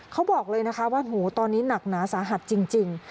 เขาบอกเลยนะคะว่าตอนนี้หนักหนาสาหัสจริง